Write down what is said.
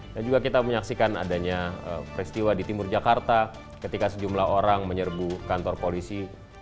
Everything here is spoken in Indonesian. dan juga kita menyaksikan adanya peristiwa di timur jakarta ketika sejumlah orang menyerbu kantor polisi